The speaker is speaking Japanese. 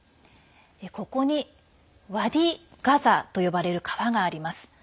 ここにワディ・ガザと呼ばれる川があります。